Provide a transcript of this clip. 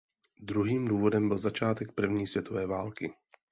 Druhým důvodem byl začátek první světové války.